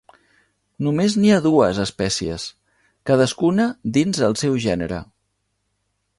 Només n'hi ha dues espècies, cadascuna dins el seu gènere.